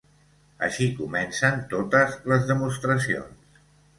Així comencen totes les demostracions.